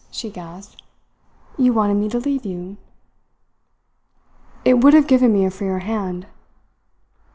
she gasped. "You wanted me to leave you?" "It would have given me a freer hand."